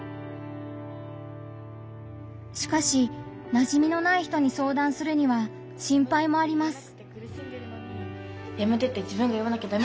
しかしなじみのない人に相談するには心配もあります。